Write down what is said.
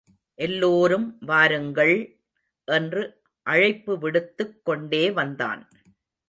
எல்லோரும் வாருங்கள்! என்று அழைப்பு விடுத்துக் கொண்டே வந்தான்.